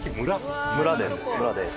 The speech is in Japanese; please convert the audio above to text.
村です。